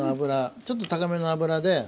ちょっと高めの油で５６分